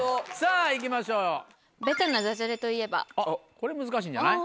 これ難しいんじゃない？